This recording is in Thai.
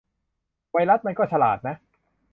ไวรัสมันก็ฉลาดนะ